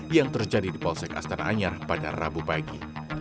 yang terjadi di polsek astana anyar pada rabu pagi